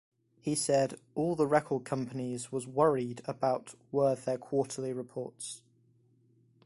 He said: All the record company was worried about were their quarterly reports.